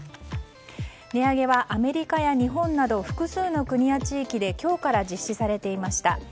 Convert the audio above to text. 値上げはアメリカや日本など複数の国や地域で今日から実施されていました。